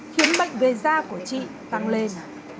khiến mệnh về da của chị tăng lên